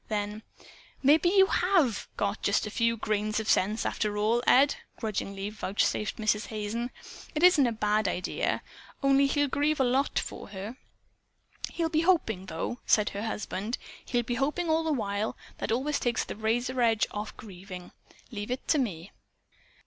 Then "Maybe you HAVE got just a few grains of sense, after all, Ed," grudgingly vouchsafed Mrs. Hazen. "It isn't a bad idea. Only he'll grieve a lot for her." "He'll be hoping, though," said her husband. "He'll be hoping all the while. That always takes the razor edge off of grieving. Leave it to me."